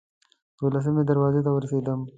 دولسمې دروازې ته ورسېدم.